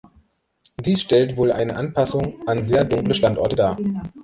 Dies stellt wohl eine Anpassung an sehr dunkle Standorte dar.